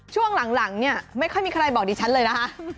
ช่วงหลังเนี่ยไม่ค่อยมีใครบอกดิฉันเลยนะคะ